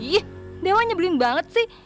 ih dewa nyebelin banget sih